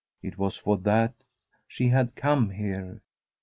It was for that she had come here.